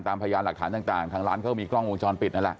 ตามพยายามหลักฐานต่างทางร้านเขามีกล้องมองช้อนปิดนั่นแหละ